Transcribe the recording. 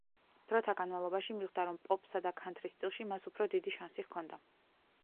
დროთა განმავლობაში მიხვდა რომ პოპსა და ქანთრის სტილში მას უფრო დიდი შანსი ჰქონდა.